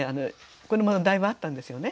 これもだいぶあったんですよね。